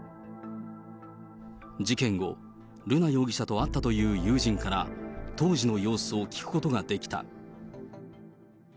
事件後、瑠奈容疑者と会ったという友人から当時の様子を聞くことができた。